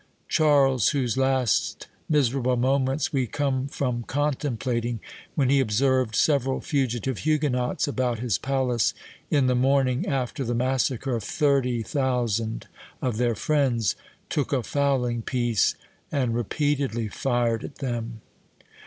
Charles, whose last miserable moments we come from contemplating, when he observed several fugitive Huguenots about his palace in the morning after the massacre of 30,000 of their friends, took a fowling piece, and repeatedly fired at them.